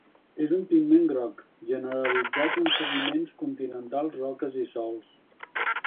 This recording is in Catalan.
És un pigment groc generalitzat en sediments continentals, roques i sòls.